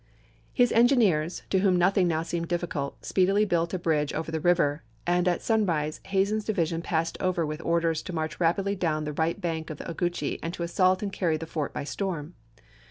His engi neers, to whom nothing now seemed difficult, speedily built a bridge over the river, and at sun rise Hazen's division passed over with orders to march rapidly down the right bank of the Ogeechee and to assault and carry the fort by storm.